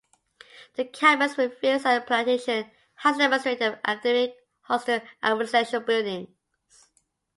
The campus, with fields and plantations, houses the administrative, academic, hostel and residential buildings.